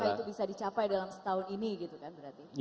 apa itu bisa dicapai dalam setahun ini gitu kan berarti